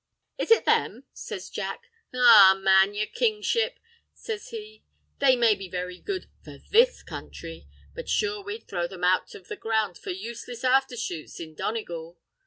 "Is it them?" says Jack. "Arrah, man, yer Kingship," says he, "they may be very good—for this counthry; but sure we'd throw them out of the ground for useless afther shoots in Donegal.